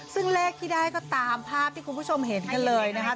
ซึ่งเลขที่ได้ก็ตามภาพที่คุณผู้ชมเห็นกันเลยนะคะ